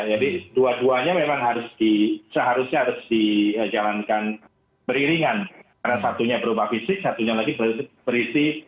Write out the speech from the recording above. jadi dua duanya memang harus di seharusnya harus dijalankan beriringan karena satunya berubah fisik satunya lagi berisi